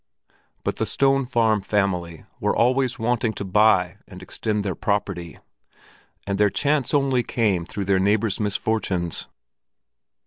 But the Stone Farm family were always wanting to buy and extend their property, and their chance only came through their neighbors' misfortunes.